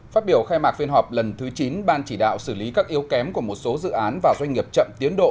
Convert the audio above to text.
phát biểu khai mạc phiên họp lần thứ chín ban chỉ đạo xử lý các yếu kém của một số dự án và doanh nghiệp chậm tiến độ